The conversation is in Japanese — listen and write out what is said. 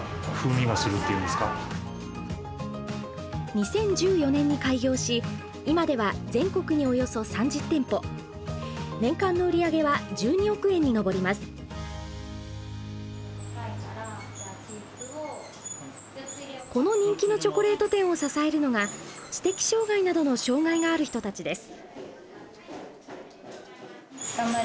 ２０１４年に開業し今ではこの人気のチョコレート店を支えるのが知的障害などの障害がある人たちです。